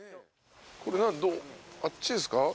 これあっちですか？